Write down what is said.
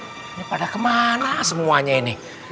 ini pada kemana semuanya ini